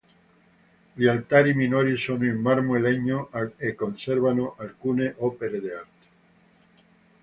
Gli altari minori sono in marmo e legno e conservano alcune opere d'arte.